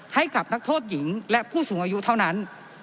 ให้กับนักโทษหญิงและผู้สูงอายุเท่านั้น